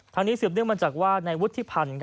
นี้สืบเนื่องมาจากว่าในวุฒิพันธ์